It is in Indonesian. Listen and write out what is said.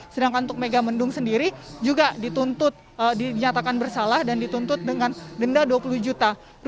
sedangkan untuk megamendung sendiri juga dituntut dinyatakan bersalah dan dituntut dengan denda dua puluh juta